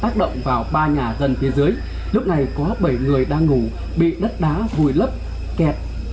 có bảy người đang ngủ bị đất đá vùi lấp kẹt